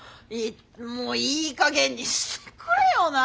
もういいかげんにしてくれよな。